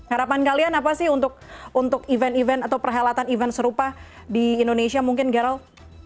harapan kalian apa sih untuk event event atau perhelatan event serupa di indonesia mungkin geral